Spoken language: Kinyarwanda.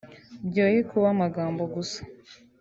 byoye kuba amagambo gusa